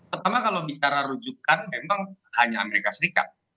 pertama kalau bicara rujukan memang hanya amerika serikat